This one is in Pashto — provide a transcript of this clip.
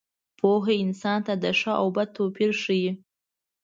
پوهه انسان ته د ښه او بد توپیر ښيي.